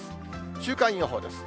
週間予報です。